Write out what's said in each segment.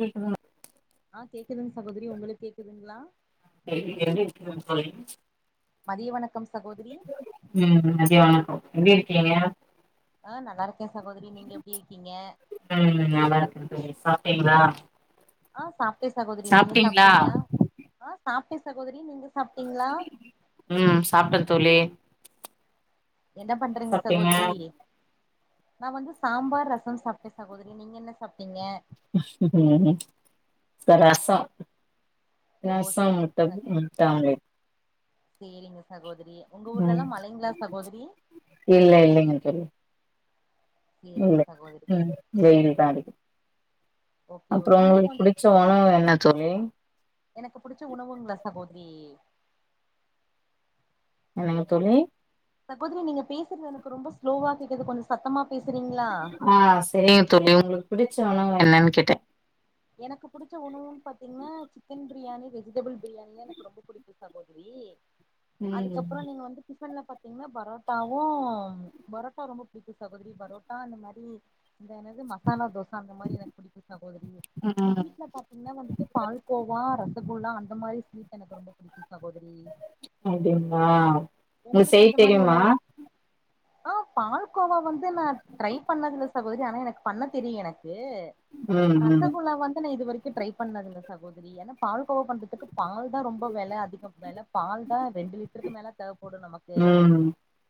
கேக்குதுங் ஆ கேக்குதுங்க சகோதரி உங்களுக் கேக்குதுங்ளா [unintelligible] மதிய வணக்கம் சகோதரி ம் மதிய வணக்கோ எப்டி இருக்கீங்க ஆ நல்லாருக்கே சகோதரி நீங்க எப்டி இருக்கீங்க ம் நல்லாருக்கே தோழி சாப்ட்டீங்களா ஆ சாப்ட்டே சகோதரி நீங்க சாப்ட்டீங்களா ஆ சாப்ட்டே சகோதரி நீங்க சாப்ட்டீங்களா ம் சாப்டே தோழி என்ன பண்றீங்க சாப்ட்டீங்க சகோதரி நா வந்து சாம்பார் ரசம் சாப்ட்டே சகோதரி நீங்க என்ன சாப்ட்டீங்க ரசோ ஓ ரசோ சேரி வச்சு சக முட்ட ஆம [unintelligible] லே சேரிங்க சகோதரி உங்க ஊர்ல ம் எல்லா மழைங்களா சகோதரி இல்ல இல்லைங்க தோழி சேரிங்க இல்ல சகோதரிங்க உம் வெயில் தா அடிக்கு ஓகே அப்றோ ஓகே நீங்க உங்களுக்கு கொஞ் புடிச்ச உணவு என்ன தோழி எனக்கு புடிச்ச உணவுங்களா சகோதரி என்னங்க தோழி சகோதரி நீங்க பேசுறது எனக்கு ரொம்ப ஸ்லோவா கேக்குது கொஞ்சோ சத்தமா பேசுறீங்களா ஆ சரிங்க தோழி உங்களுக்கு பிடிச்ச உணவு என்னன்னு கேட்டே எனக்கு பிடிச்ச உணவுன்னு பாத்தீங்கன்னா chicken biryani veg vegetable biryani தா எனக்கு ரொம்ப புடிக்கும் சகோதரி ம் அதுக்கப்றோ நீங்க வந்து டிஃபன்ல பாத் தீங்கன்னா பரோட்டாவும் பரோட்டா ரொம்ப புடிக்கும் சகோதரி பரோட்டா இந்த மாரி இந்த என்னது மசாலா தோச அந்த மாரி எனக்கு புடிக்கு சகோதரி ம் ம் ஸ்வீட்ல பாத்தீங்கன்னா வந்துட்டு பால்கோவா ரசகுல்லா அந்த மாதிரி ஸ்வீட் எனக்கு ரொம்ப புடிக்கும் சகோதரி அப்டிங்களா நீ உங்களுக்கு செய் எந்த மாரி தெரியுமா உணவு ஆ பாலகோவா வந்து நா ட்ரை பண்ணதுல சகோதரி ஆனா எனக்கு பண்ண தெரியு எனக்கு உம் ரசகுல்லா வந்து நா இது வரைக்கு ட்ரை பண்ணதில்ல சகோதரி ஏன்னா பால் கோவா பண்றதுக்கு பால் தான் ரொம்ப வெல அதிகம் வெல பால் தா ரெண்டு லிட்டருக்கு மேல தேவப்படும் நமக்கு ம்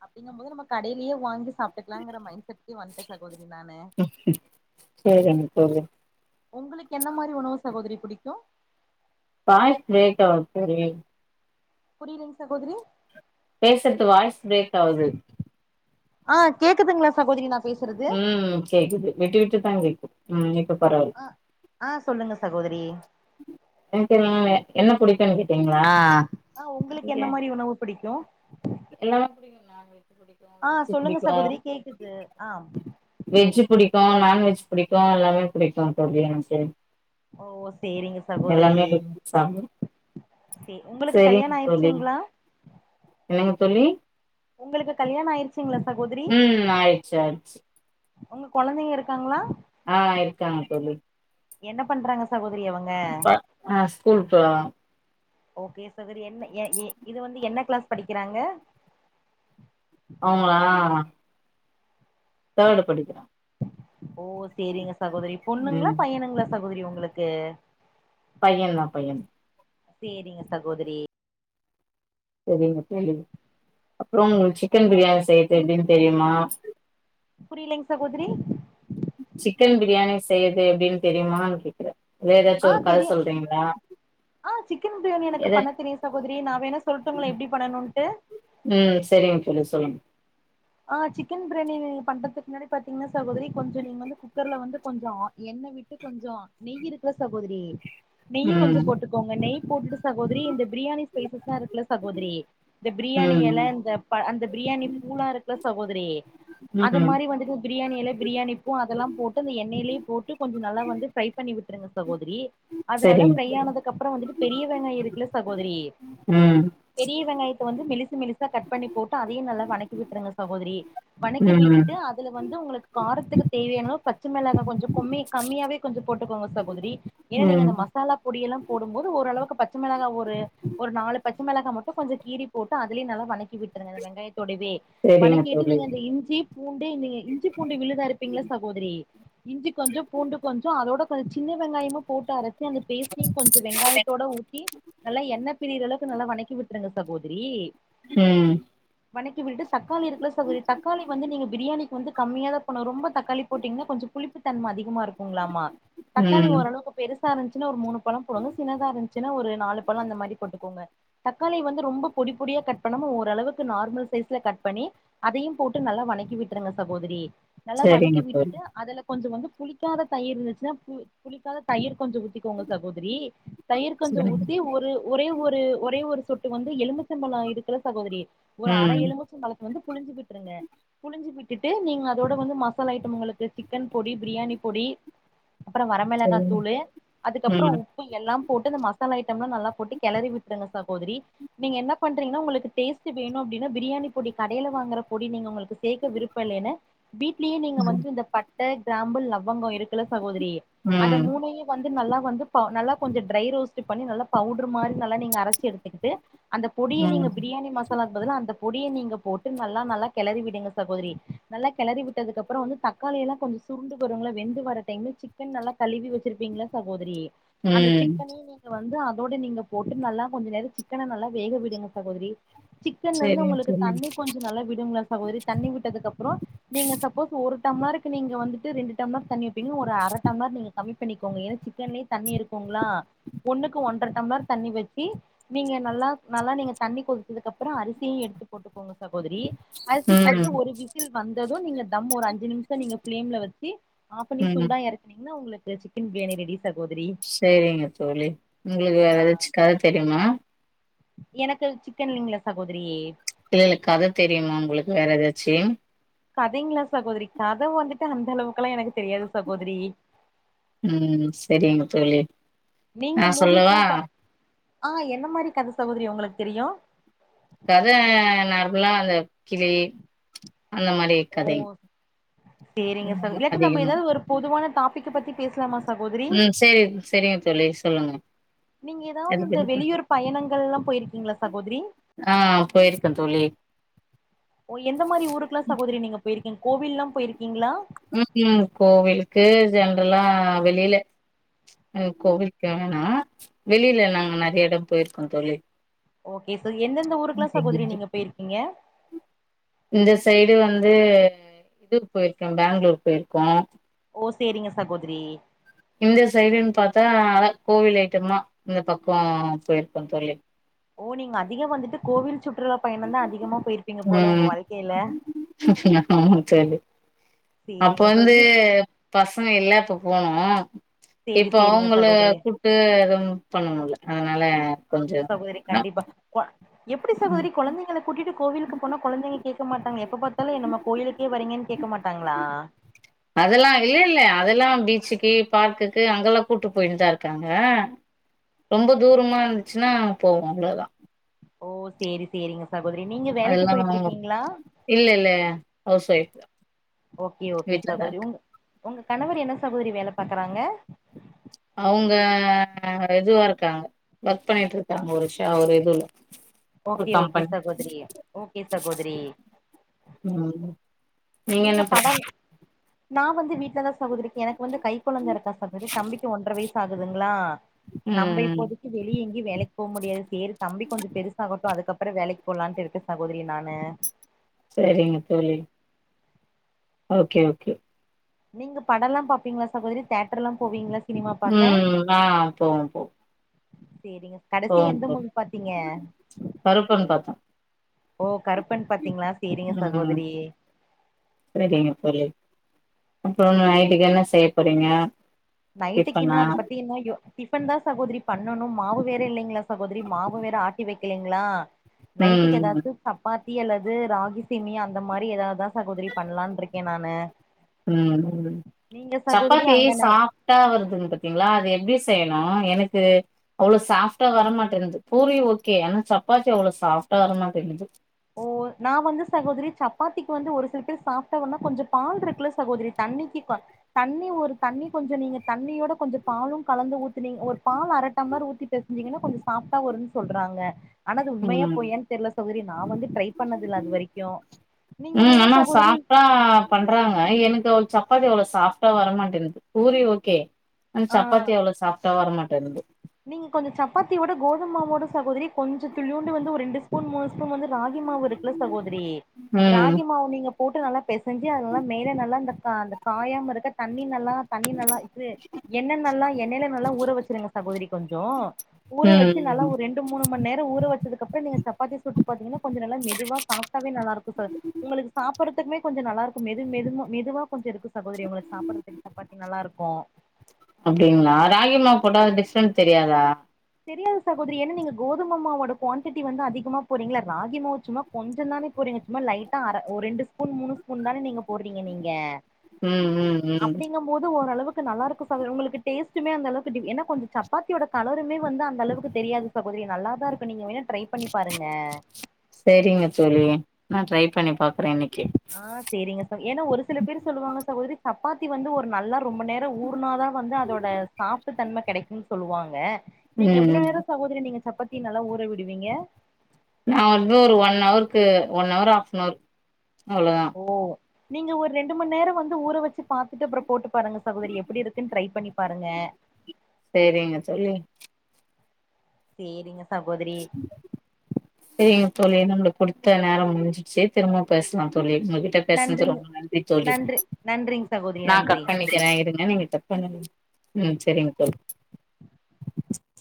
து அப் [inaudible] அப்டிங்கனுபோது நம்ம கடைலியே வாங்கி சாப்ட்டுக்கலாங்கிற மைண்ட செட்லே வந்துட்டே சகோதரி நான்னு சேரிங்க சேரிங்க உங்களுக்கு என்ன மாதிரி உணவு சகோதரி புடிக்கும் பா்ட் பக் ஆ [unintelligible] புரியல்லீங்க சகோதிரி பேசுறது வாய்ஸ் பிரேக் ஆவுது ஆ கேக்குதுங்களா சகோதரி நா பேசுறது ம் கேக்குது விட்டு விட்டு தா கேக்குது ம் இப்ப பரவால்ல ஆ ஆ சொல்லுங்க சகோதரி என்தினாய் [unintelligible] என்ன புடிக்குன்னு கேட்டீங்களா ஆ உங்களுக்கு என்ன மாரி உணவு புடிக்கும் எல்லாமே புடிக்கும் நான் வெஜ் புடிக்கும் ஆ சொல்லுங்க சகோதரி கேக்குது ஆ வெஜ்ஜு புடிக்கும் நான்வெஜ் புடிக்கும் எல்லாமே புடிக்கு தோழி எனக்கு ஓ சேரிங்க சகோதரி எல்லாமே சாப்ப சே உங்களுக்கு கல்யாணோ தோழி ஆயிட்ச்சுங்ளா என்னங்க தோழி உங்களுக்கு கல்யாணோ ஆயிருச்சிங்ளா சகோதரி ம் ஆயிடுச்சு ஆயிடுச்சு உங்க கொழந்திங்க இருக்காங்ளா ஆ இருக்காங்க தோழி என்ன பண்றாங்க சகோதரி அவங்க ப- ஆ ஸ்கூல் போறாங்க ஓகே சகோதரி என்ன எ இது வந்து என்ன கிளாஸ் படிக்கறாங்க அவ்ங்களா தேர்ட் படிக்கிறா ஓ சேரிங்க சகோதரி பொண்ணுங்ளா ம் பையனுங்ளா சகோதரி உங்களுக்கு பையன் னா பையன் சேரிங்க சகோதரி செரிங்க தோழி அப்புறோ உங்ளுக்கு சிக்கன் பிரியாணி செய்ரது எப்டின் தெரியுமா புரியலிங் சகோதரி சிக்கன் பிரியாணி செய்யுரது எப்டின் தெரியுமான்னு கேக்கறே எதாச்சு ஆ ஒரு கத தெரியு சொல்றீங்ளா ஆ சிக்கன் பிரியாணி எனக்கு பண்ண தெரியு சகோதரி நா வேணா சொல்ட்டுங்ளா எப்டி பண்ணனுன்ட்டு ம் செரிங்க தோழி சொல்லுங் ஆ சிக்கன் பிராணி பண்றதுக்கு முன்னாடி பாத்தீங்கன்னா சகோதரி கொஞ்சோ நீங்க வந்து குக்கர்ல வந்து கொஞ்சோ எண்ணெ விட் கொஞ்சோ நெய் இருக்குல சகோதரி நெய் கொஞ்சோ ம் போட்டுக்கோங்க நெய் போட்டுட்டு சகோதரி இந்த பிரியாணி ஸ்பைசஸ்ல்லா இருக்குல சகோதரி இந்த பிரியாணி எல ம் இந்த அந்த பிரியாணி பூலா இருக்குல்ல சகோதரி அது ம் மாரி வந்துட்டு பிரியாணிஎல பிரியாணிபூ அதல்லா போட்டு அந்த எண்ணெயிலே போட்டு கொஞ்சோ நல்லா வந்து ஃப்ரை பண்ணி விட்டுருங்க சகோதரி அது நல்லா செரிங்க ஃப்ரை தோழி ஆனதுக்கு அப்பறோ வந்துட்டு பெரிய வெங்காய இருக்குல்ல சகோதரி ம் பெரிய வெங்காயத்த வந்து மெலிசு மெலிசா கட் பண்ணி போட்டு அதையு நல்லா வணக்கி விட்டுருங்க சகோதரி வணக்கி ம் விட்டுட்டு அத் அதுல வந்து உங்களுக்கு காரத்துக்கு தேவையான பச்ச மெளகா கொஞ்ச கொம்மி கம்மியாவே கொஞ்சோ போட்டுக்கோங்க சகோதரி எனா நீங்க ம் அந்த மசாலா பொடியெல்லா போடும் போது ஓரளவுக்கு பச்சை மெளகா ஒரு ஒரு நாலு பச்சை மெளகா மட்டு கொஞ்சோ கீரி போட்டு அதுலே நல்லா வணக்கி விட்டுருங்க வெங்காயத்தோடவே செரிங்க வணக்கிட்டு தோழி நீங்க அந்த இஞ்சி பூண்டு இந்த நீங்க இஞ்சி பூண்டு விழுது அரைபிங்ளா சகோதரி இஞ்சி கொஞ்சோ பூண்டு கொஞ்சோ அதோட கொஞ்சோ சின்ன வெங்காயமு போட்டு அரைச் அந்த பேஸ்டியு கொஞ்சோ வெங்காயத்தோட ஊத்தி நல்லா எண்ணெ பிரிர அளக்கு நல்ல வணக்கி விட்டுருங்க சகோதரி ம் வணக்கி விட்டு தக்காளி இருக்குள தக்காளி வந்து நீங்க பிரியாணிக்கு வந்து கம்மிய தா போணு ரொம்ப தக்காளி போட்டீங்னா கொஞ்சம் புளிப் தன்ம அதிகமா இருக்குங்ளாமா தக்காளி ம் ஓரளவுக்கு பெருசா இருந்துச்சுன ஒரு மூணு பழம் போடுங்க சின்தா இருந்துச்சுன ஒரு நாலு பழோ அந்த மாரி போட்டுக்கோங்க தக்காளி வந்து ரொம்ப பொடி பொடியா கட் பண்ணாம ஓரளவுக்கு நார்மல் சைஸ்ல கட் பண்ணி அதையு போட்டு நல்லா வணக்கி விட்டுருங்க சகோதரி நல்லா செரிங்க வணக்கி தோழி விட்டுட்டு அதுல கொஞ்ச வந்து புளிக்காத தயிர் இருந்துச்சுனா புளிக்காத தயிர் கொஞ்ச ஊத்திக்கோங்க சகோதரி தயிர் கொஞ்ச செரிங்க ஊத்தி ஒரு ஒரே ஒரு ஒரே ஒரு சொட்டு வந்து எலுபிச்சம்பழோ இருக்கில்ல சகோதரி ஒரு அரை ம் எலும்புச்சம்பழத்த வந்து புழிஞ்சு விட்ருங்க புழிஞ்சு விட்டுட்டு நீங்க அதோட வந்து மசாலா ஐட்டம் உங்களுக்கு சிக்கன் பொடி பிரியாணி பொடி அப்பறோ வரமிளகா செரிங்க தூளு அதுக்கப்றோ ம் உப் பு எல்லா போட்டு அந்த மசாலா ஐட்டம்லா நல்லா போட்டு கெளரி விட்ருங்க சகோதரி நீங்க என்ன பண்றீங்ன்னா உங்களுக்கு டேஸ்ட்டு வேணும அப்டினா பிரியாணி பொடி கடேல வாங்குற பொடி நீங்க உங்களுக்கு சேக்க விருப்ப இல்லேன வீட்லியே நீங்க வந்து ம் இந்த பட் பட்ட கிராம்பு லவங்கோ இருக்குல சகோதரி அத ம் மூனையு வந்து நல்லா வந்து நல்லா பா நல்லா கொஞ்சோ ட்ரை ரோஸ்ட்டு பண்ணி நல்லா பவுட்ரு மாரி நல்லா நீங்க அரச்சு எடுத்துக்கி ட்டு அந்த பொடிய நீங்க ம் பிரியாணி மசாலாக் பதிலா அந்த பொடிய நீங் க போட்டு நல்லா நல்லா கெளறி விடுங்க சகோதரி நல்லா கெளறி விட்டதுக்கப்புறோ வந்து தக்காளி எல்லா கொஞ்சு சுருண்டு வருங்குல வெந்து வர டைம்ல சிக்கன் நல்லா கழுவி வச்சிருப்பீங்ள சகோதரி அந்த ம் சிக்கனையு நீங்க வந்து அதோட நீங்க போட்டு நல்லா கொஞ்ச நேரோ சிக்கன நல்லா வேக விடுங்க சகோதரி சிக்கன்லர்ந்து செரிங்க உங்களுக்கு தோழி தண்ணி கொஞ்சு நல்லா விடும்ல சகோதரி தண்ணி விட்டதுக்கப்றோ நீங்க சப்போஸ் ஒரு டம்ளருக்கு நீங்க வந்துட்டு ரெண்டு டம்ளர் தண்ணி வைப்பீங்னா ஒரு அர டம்ளர் நீங்க கம்மி பண்ணிக்கோங்க ஏனா சிக்கன்லே தண்ணி இருக்கூங்ளா ஒன்னுக்கு ஒன்ற டம்ளர் தண்ணி வச்சி நீங்க நல்லா நல்லா நீங்க தண்ணி கொதிச்சதுக்கப்புறோ அரிசியு எடுத்து கோங்க சகோதரி அரிசி ம் போட்டுட்டு ஒரு விசில் வந்ததூ நீங்க தம் ஒரு அஞ்சு நிம்ஷோ நீங்க ஃபிளேம்ல வச் சி ஆஃப் பண்ணி ம் சூடா எறக்குனீங்னா ஒங்ளுக்கு சிக்கன் பிரியாணி ரெடி சகோதரி செரிங்க தோழி உங்ளுக்கு வேற ஆ எதாச்சு கத தெரிமா எனக்கு அது சிக்கன்லிங்ளா சகோதரி இல்லல்ல கத தெரியுமா உங்களுக்கு வேற எதாச்சு கதைங்ளா சகோதரி கத வந்துட்டு அந்த அளவுக்கலா எனக்கு தெரியாது சகோதரி ம் செரிங்க தோழி நீங்க நா சொல்லவா மூவீஸ்லா பா ஆ என்ன மாரி கத சகோதரி ஒங்களுக் தெரியு கத நார்முலா அந்த கிளி அந்த மாரி கதைங்க ஓ சேரிங்க சகு ம் இல்லாட்டி நம்ப அதிகமா எதாது ஒரு பொதுவான டாபிக்க பத்தி பேஸ்லாமா சகோதரி ம் சேரி செரிங்க தோழி சொல்லுங்க நீங்க எதாவ்து எத இந்த பத்தி பே வெளியூரு பயணங்கல்லா போய்ருக்கீங்ளா சகோதிரி ஆ போயிருக்கே தோழி ஓ எந்த மாரி ஊருக்லா சகோதரி நீங்க போய்ருக்கீங் கோவில்லா போயிர்க்கீங்ளா ம் ம் கோவிலுக்கு ஜென்ட்ரலா வெளில அ கோவில்க் வேணுனா வெளில நாங்க நெறைய எடோ போய்ர்க்கோ தோழி ஓகே ச எந்தெந்த ஊருக்குலா சகோதரி நீங்க பேய்ர்க்கீங்க இந்த சைடு வந்து இதுக்கு போய்ர்க்கோ பேங்ளூரு போய்ர்க்கோ ஓ சேரிங்க சகோதிரி இந்த சைடுன் பாத்தா அதா கோவில் ஐட்டம்தா இந்த பக்கோ போய்ர்க்கோந்தோழி ஓ நீங்க அதிகோ வந்துட்டு கோவில் சுற்றுலா பயணந்தா அதிகமா போய்ர்ப்பீங்க போல உங்க ம் வாழ்க்கேல [unintelligible] ஆமா தோழி அப்போ சேரிங்க சோ வந்து நீ பசங்க எல்லா இப்ப போனோ சேரி இப்போ சேரிங்க அவுங்கள சகோதரி கூட்டு எதுவு பண்ணமுல்ல அதுனால ஆமா கொஞ்சோ சகோதரி னா கண்டிப்பா கொ எப்டி சகோதரி கொழந்தைங்கள கூட்டிட்டு கோவிலுக்கு போனா கொழந்தைங்க கேக்க மாட்டாங்க எப்ப பாத்தாலு என்னம்மா கோயிலுக்கே வரீங்கன் கேக்க மாட்டாங்ளா அதெல்லாம் இல்ல இல்ல அதெல்லா இல்ல இல்ல அதெல்லா பீச்சுக்கு பார்க்குக்கு அங்கல்லா கூட்டு போய்ட்டுதா இருக்காங்க ரொம்ப தூரமா இருந்துச்சுன்னா போவோம் அவ்ளோதா ஓ செரி செரிங்க சகோதரி நீங்க வேலைக்கி அதெல்லா போயிட்ருக்கிங்களா இல்ல இல்ல ஹவுஸ் ஒய்ஃப் தா ஓகே ஓகே வீட்லதா சகோதரி இருக்கு உங் உங்க கணவர் என்ன சகோதரி வேல பாக்கறாங்க அவுங்க ரெதுவா இருக்காங்க ஒர்க் பண்ணிட்ருக்காங்க ஒருஷா ஒரு இதுல ஒரு ஓகே ஓகே கம்பெனி சகோதிரி ஓகே சகோதிரி ம் நீங்க என்ன பண் படல் நா வந்து வீட்லதா சகோதரி எனக் வந்து கை கொழந்த இருக்கா சகோதரி தம்பிக்கு ஒன்ற வயஸ் தா ஆகுதுங்ளா நம்ப ம் இப்போதி வெளிய எங்யு வேலைக் போக முடியாது செரி தம்பி கொஞ்சப் பெருசாகட்டு அதுக்கப்பற வேலைக்கு போகலான்ட்டு இருக்கே சகோதரி நானு சரிங்க தோழி ஓகே ஓகே நீங்க படல்லா பாப்பீங்களா சகோதரி தேட்டர்ல்லா போவீங்களா சினிமா பாக்க ம் ஆ போவோம் போவோம் செரிங்க கடசியா போவோம் எந்த தோழி மூவி பாத்திங்க கருப்பன் பாத்தோம் ஓ கருப்பன் பாத்திங்களா செரிங்க சகோதரி செரிங்க தோழி அப்றோம் நைட்டுக்கு என்ன செய்ய போறீங்க நைட்டிக் இன்னு டிஃபனா அத பத்தி இன்னு யோ டிஃபன் தா சகோதரி பண்ணணும் மாவு வேற இல்லங்களா சகோதரி மாவு வேற ஆட்டி வக்கலைங்ளா ம் நைட்டிக்கி ஏதாது சப்பாத்தி அல்லது ராகி சேமியா அந்த மாரி ஏதாதா சகோதரி பண்ணலான்ட்ருக்கே நானு ம் ம் நீங்க சகோதரி சப்பாத்தி அங்க நா சாப் டா வருதுங் பாத்திங்ளா அது எப்டி செய்யனு எனக்கு அவ்ளோ சாஃப்டா வர மாட்டேன்து பூரி ஓகே ஆனா சப்பாத்தி அவ்ளோ சாஃப்டா வரமாட்டேங்குது ஓ நா வந்து சகோதரி சப்பாத்திக்கு வந்து ஒரு சில பேர் சாஃப்ட்டா வர்னா கொஞ்ச பால்ருக்குல சகோதரி தண்ணிக்கி ப தண்ணி ஒரு தண்ணி கொஞ்ச நீங்க தண்ணியோட கொஞ்ச பாலு கலந்து ஊத்துனிங் ஒரு பால் அரடம்ப்ளர் ஊத்தி பேசஞ்சிங்கன்னா கொஞ்ச சாஃப்டா வருன் சொல்றாங்க ஆனா அது உண்மையா ம் பொய்யான் தெர்ல சகோதரி நா வந்து ட்ரை பண்ணதில்ல அது வரைக்கு நீங்க வேணா சகோதரி ஆ பண்றாங்க எனக்கு அவ் சப்பாத்தி அவ்ளோ சாஃப்ட்டா வர மாட்டேனுது பூரி ஓகே ஆ சப்பாத்தி அவ்ளோ சாஃப்டா வரமாட்டேனுது நீங்க கொஞ்ச சப்பாத்தியோட கோதுமாவோட சகோதரி கொஞ்ச துளியோண்டு வந்து ஒரு ரெண்டு ஸ்பூன் மூணு ஸ்பூன் வந்து ராகி மாவு இருக் இல்ல சகோதரி ம். ராகி மாவு நீங்க போட்டு நல்லா பெசஞ்சு அதுலல்லா மேல நல்லா அந்த கா அந்த காயாம இருக்க தண்ணி நல்லா தண்ணி நல்லா இது எண்ண நல்லா எண்ணெய்ல நல்லா ஊற வச்சிருங்க சகோதரி கொஞ்சோ ஊர ம். வச்சி நல்லா ம். ஒரு ரெண் டு மூணு மண்நேரோ ஊர வச்சதுக்கப்பற நீங்க சப்பாத்தி சுட்டு பாத்திங்கன்னா கொஞ்ச நல்ல மெதுவா சாஃப்டாவே நல்லா இருக்கு ச உங்களுக்கு சாப்பட்றதுக்குமே கொஞ்ச நல்லா இருக்கும் மெது மெதுமா மெதுவா கொஞ்ச இருக்கு சகோதரி உங்களுக்கு சாப்பட்றத்துக் சப்பாத்தி நல்லா இருக்கு அப்டிங்ளா ராகிம்மாவு போட்டா டிஃப்ரெண்ட் தெரியாதா தெரியாது சகோதரி என்னா நீங்க கோதுமமாவோட குவண்டிட்டி வந்து அதிகமா போட்றிங்களா ராகிமாவு சும்மா கொஞ்ச தானே போட்றீங்க சும்மா லைட்டா அர ஒ ரெண்டு ஸ்பூன் மூணு ஸ்பூன் தான நீங்க போட்றீங்க நீங்க ம் ம் ம் அப்படிங்கும் போது ஓரளவுக்கு நல்லாருக்கு சகோதரி உங்களுக்கு டேஸ்டுமே அந்தளவுக்கு டிஃப் ஏனா கொஞ்ச சப்பாத்தியோட கலருமே வந்து அந்தளவுக்கு தெரியாது சகோதரி நல்லாதா இருக்கு நீங்க வேணா ட்ரை பண்ணி பாருங்க சேரிங்க தோழி நா ட்ரை பண்ணி பாக்குற இன்னக்கி ஆ செரிங்க தோ ஏனா ஒரு சில பேரு சொல்லுவாங்க சகோதரி சப்பாத்தி வந்து ஒரு நல்லா ரொம்ப நேரோ ஊர்னாதா வந்து அதோட சாப்ட்டு தன்மை கெடைக்கும்னு சொல்லுவாங்க நீங்க ம். எவ்வளோ ம். நேரோ சகோதரி நீங்க சப்பாத்தி நல்லா ஊற விடுவீங்க நா வந்து ஒரு ஒன் ஹவருக்கு ஒன் ஹவர் ஹாப்னவர் அவ்ளோதா ஓ நீங்க ஒரு ரெண்டுமணேநேரோவந்து ஊறவச்சு பாத்துட்டு அப்றோ போட்டு பாருங்க சகோதரி எப்டி இருக்குன்னு ட்ரை பண்ணி பாருங்க சேரிங்க தோழி சேரிங்க சகோதரி சேரிங்க தோழி நம்மளுக்கு கொடுத்த நேரோ முஞ்சிச்சி திரும்வு பேசலா தோழி [unintelligible] ட்ட பேஸ்னது நன்றிங் ரொம்ப நன்றி தோழி நன்றி நன்றிங் சகோதரி நா நன்றி கட் பண்ணிட்ட வெக்கிறே இருங்க நீங்க கட்பண்ணுங்க ம் சரிங்க தோலி